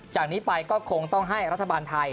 จากนี้ไปก็คงต้องให้รัฐบาลไทย